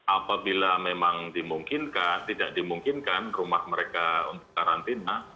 apabila memang dimungkinkan tidak dimungkinkan rumah mereka untuk karantina